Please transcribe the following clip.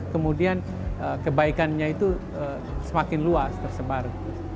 kemudian kebaikannya itu semakin luas tersebar